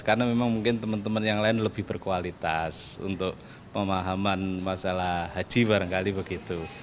karena memang mungkin teman teman yang lain lebih berkualitas untuk pemahaman masalah haji barangkali begitu